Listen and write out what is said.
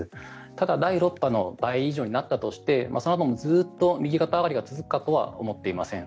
ただ、第６波の倍以上になったとしてそのあともずっと右肩上がりが続くとは思っていません。